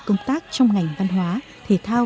công tác trong ngành văn hóa thể thao